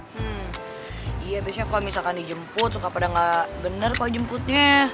hmm iya biasanya kalo misalkan dijemput suka pada gak bener kalo dijemputnya